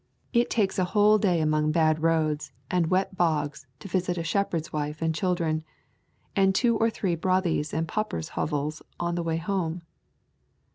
It takes a whole day among bad roads and wet bogs to visit a shepherd's wife and children, and two or three bothies and pauper's hovels on the way home.